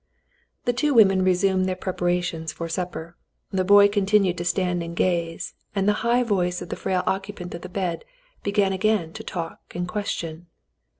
The two women resumed their preparations for supper, the boy continued to stand and gaze, and the high voice of the frail occupant of the bed began again to talk and question.